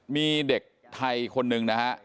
มีเด็กไทยคนหนึ่งนะฮะ